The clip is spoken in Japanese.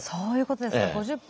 そういうことですか。